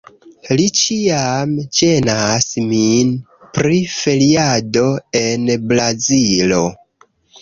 Li ĉiam ĝenas min pri feriado en Brazilo